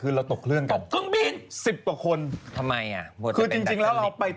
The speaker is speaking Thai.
เยอะ